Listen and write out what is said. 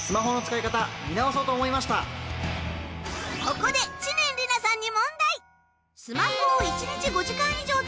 ここで知念里奈さんに。